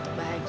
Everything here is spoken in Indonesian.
apa kabar kak